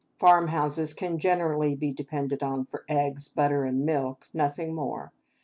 Farmhouses can generally be depended on for eggs, butter, and milk, nothing more.